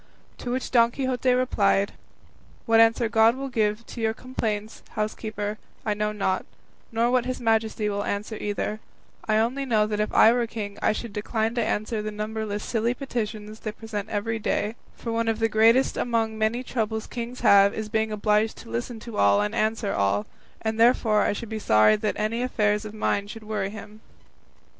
To which Don Quixote replied, "What answer God will give to your complaints, housekeeper, I know not, nor what his Majesty will answer either; I only know that if I were king I should decline to answer the numberless silly petitions they present every day; for one of the greatest among the many troubles kings have is being obliged to listen to all and answer all, and therefore I should be sorry that any affairs of mine should worry him."